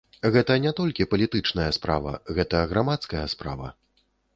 Гэта не толькі палітычная справа, гэта грамадская справа.